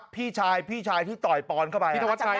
พี่ชายที่ต่อยปอนเข้าไป